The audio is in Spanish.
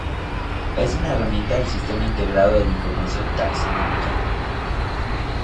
Es una herramienta del Sistema Integrado de Información Taxonómica.